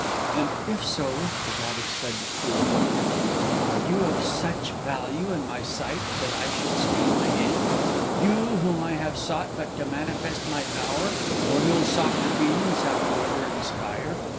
"And if so," said the goddess, with cruel contempt, "are you of such value in my sight that I should stay my hand? You, whom I have sought but to manifest my power, for no softer feelings have you ever inspired!